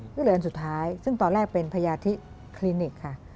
ก็เลยอันสุดท้ายซึ่งตอนแรกเป็นพยาธิคลินิกค่ะ